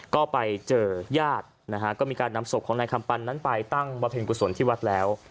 ก็ไปเจอญาตินะฮะก็มีการนำศพของนายคำปันนั้นไปตั้งบำเพ็ญกุศลที่วัดแล้ว